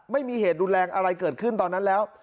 ไม่มีเหตุรุนแรงอะไรเกิดขึ้นตอนนั้นแล้ว